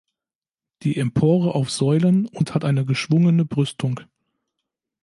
Die Empore auf Säulen und hat eine geschwungene Brüstung.